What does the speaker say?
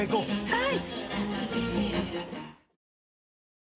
はい。